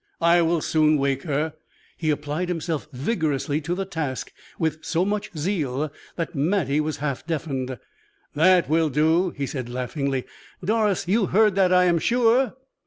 I will soon wake her." He applied himself vigorously to the task with so much zeal that Mattie was half deafened. "That will do," he said, laughingly. "Doris, you heard that, I am sure."